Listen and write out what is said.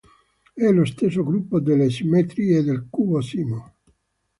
È lo stesso gruppo delle simmetrie del cubo simo.